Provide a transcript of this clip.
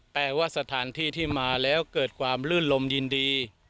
แปลว่าสถานที่ที่มาแล้วเกิดความลื่นลมยินดี